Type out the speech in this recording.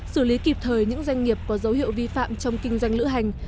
xử lý kịp thời những doanh nghiệp có dấu hiệu vi phạm trong kinh doanh lữ hành